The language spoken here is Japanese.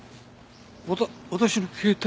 わた私の携帯。